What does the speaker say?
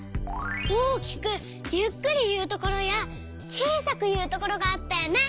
大きくゆっくりいうところやちいさくいうところがあったよね。